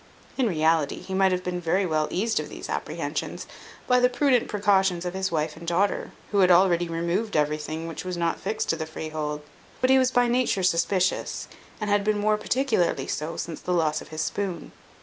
In reality, he might have been very well eased of these apprehensions, by the prudent precautions of his wife and daughter, who had already removed everything which was not fixed to the freehold; but he was by nature suspicious, and had been more particularly so since the loss of his spoon.